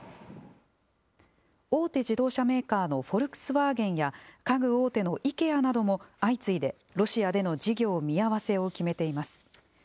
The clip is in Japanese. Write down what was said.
大手自動車メーカーのフォルクスワーゲンや家具大手のイケアなども相次いでロシアでの事業見合わせを決めています。